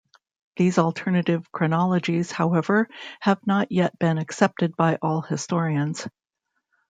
These alternative chronologies, however, have not yet been accepted by all historians.